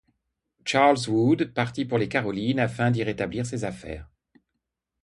Charles Wood partit pour les Carolines afin d'y rétablir ses affaires.